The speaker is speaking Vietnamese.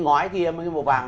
ngói kia màu vàng